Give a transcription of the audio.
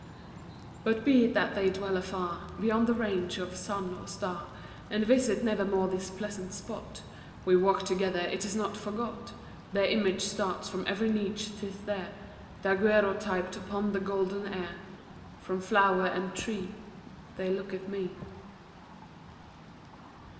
But be it that they dwell afar, Beyond the range of sun or star, And visit never more this pleasant spot We walked together, it is not forgot : Their image starts from every niche ; 'tis there, Daguerreotyped upon the golden air. From flower and tree They look at me.